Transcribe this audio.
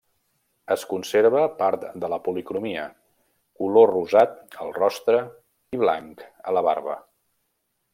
Es conserva part de la policromia, color rosat al rostre i blanc a la barba.